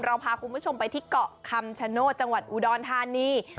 พาคุณผู้ชมไปที่เกาะคำชโนธจังหวัดอุดรธานี